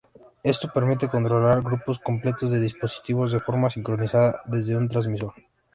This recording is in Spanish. Esto permite controlar grupos completos de dispositivos de forma sincronizada desde un transmisor.